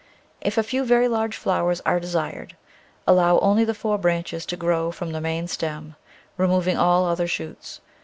If a few very large flowers are desired, allow only the four branches to grow from the main stem, removing all other shoots.